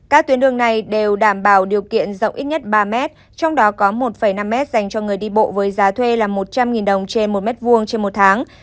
các tuyến đường này đều đảm bảo điều kiện rộng ít nhất ba mét trong đó có một năm m dành cho người đi bộ với giá thuê là một trăm linh đồng trên một m hai trên một tháng